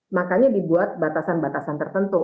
makanya dibuat batasan batasan tertentu